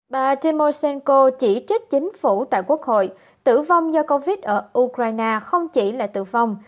bà timor senko chỉ trích chính phủ tại quốc hội tử vong do covid ở ukraine không chỉ là tử vong